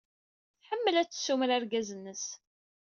Tḥemmel ad tessumar argaz-nnes.